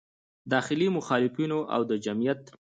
داخلي مخالفینو او د جمعیت